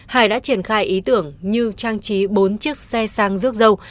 hải đã triển khai ý tưởng như trang trí bốn chiếc xe sang rước dâu